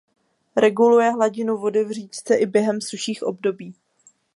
Reguluje hladinu vody v říčce i během sušších období.